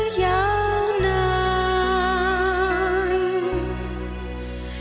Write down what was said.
สุขสัญญาลักษณ์บังคมลาพระมหามงคล